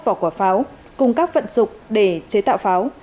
chín mươi một vỏ quả pháo cùng các vận dục để chế tạo pháo